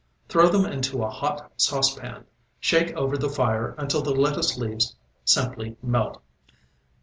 Throw them into a hot saucepan, shake over the fire until the lettuce leaves simply melt.